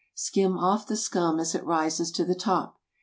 Skim off the scum as it rises to the top.